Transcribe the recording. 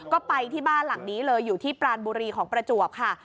ก็ไปที่บ้านหลังนี้เลยอยู่ที่ปรานบุรีของประจวบค่ะ